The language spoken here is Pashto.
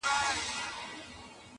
o اوښ په خپلو بولو کي گوډېږي٫